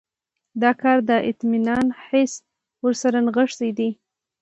دا کار د اطمینان حس ورسره نغښتی دی.